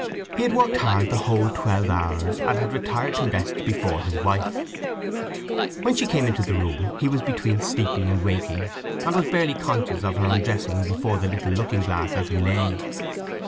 He had worked hard the whole twelve hours, and had retired to rest before his wife. When she came into the room he was between sleeping and waking, and was barely conscious of her undressing before the little looking glass as he lay.